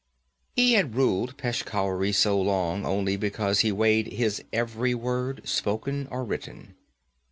He had ruled Peshkhauri so long only because he weighed his every word, spoken or written.